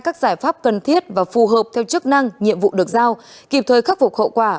các giải pháp cần thiết và phù hợp theo chức năng nhiệm vụ được giao kịp thời khắc phục hậu quả